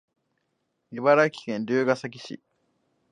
茨城県龍ケ崎市